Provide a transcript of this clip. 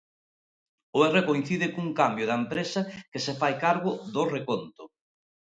O erro coincide cun cambio da empresa que se fai cargo do reconto.